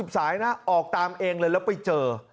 สายนะออกตามเองเลยแล้วไปเจอ